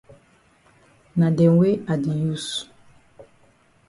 Na dem wey I di use.